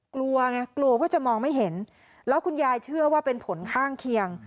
กลัวไงกลัวว่าจะมองไม่เห็นแล้วคุณยายเชื่อว่าเป็นผลข้างเคียง